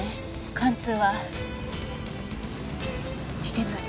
貫通はしてない。